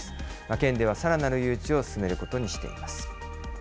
県ではさらなる誘致を進めることにしています。